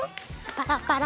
パラパラ。